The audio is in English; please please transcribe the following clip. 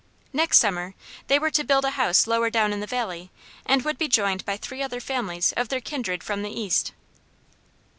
Next summer they were to build a house lower down the valley and would be joined by three other families of their kindred from the East.